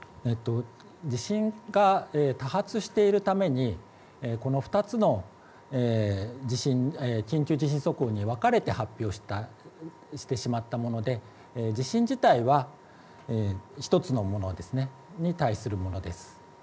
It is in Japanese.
地震が多発しているためにこの２つの地震緊急地震速報に分かれて発表したしてしまったもので地震自体は１つのものですねに対するものです。